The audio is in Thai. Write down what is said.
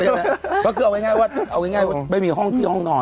แล้วก็เถาตัวนี้บ้านไม่มีห้องหนู